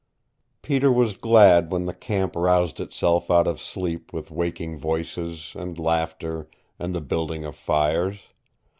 Peter was glad when the camp roused itself out of sleep with waking voices, and laughter, and the building of fires.